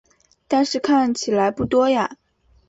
但是看起来不多呀